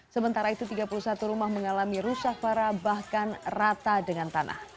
sementara itu tiga puluh satu rumah mengalami rusak parah bahkan rata dengan tanah